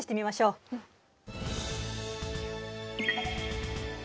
うん。